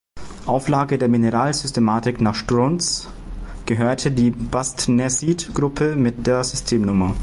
Auflage der Mineralsystematik nach Strunz gehörte die Bastnäsit-Gruppe mit der System-Nr.